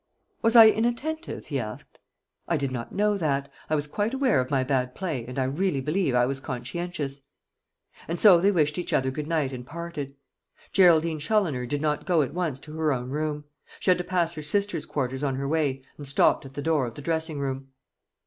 "Was I inattentive?" he asked; "I did not know that. I was quite aware of my bad play, and I really believe I was conscientious." And so they wished each other good night and parted. Geraldine Challoner did not go at once to her own room. She had to pass her sister's quarters on her way, and stopped at the door of the dressing room.